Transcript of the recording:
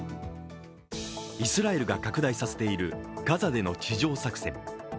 イスラエルが拡大させているガザでの地上作戦。